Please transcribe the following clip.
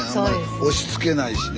押しつけないしね。